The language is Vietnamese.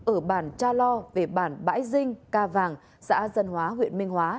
ở bản cha lo về bản bãi dinh ca vàng xã dân hóa huyện minh hóa